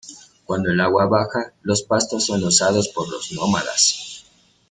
Cuando el agua baja, los pastos son usados por los nómadas.